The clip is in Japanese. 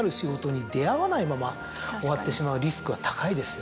まま終わってしまうリスクは高いですよね。